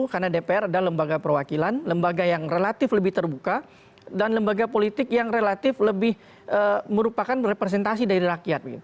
karena dpr adalah lembaga perwakilan lembaga yang relatif lebih terbuka dan lembaga politik yang relatif lebih merupakan representasi dari rakyat